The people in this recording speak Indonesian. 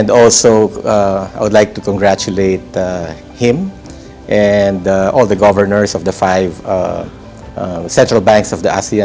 dan saya juga ingin mengucapkan selamatkan kemampuan kepada dia dan semua pemerintah dari lima bank utama negara asia